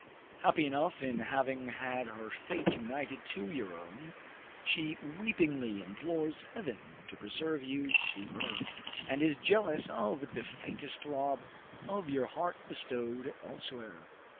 Happy enough in having had her fate united to your own, she weepingly implores Heaven to preserve you to her, and is jealous of the faintest throb of your heart bestowed elsewhere."